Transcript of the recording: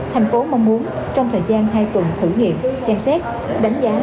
tp hcm mong muốn trong thời gian hai tuần thử nghiệm xem xét đánh giá